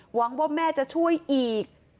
หวังว่าแม่จะช่วยอีก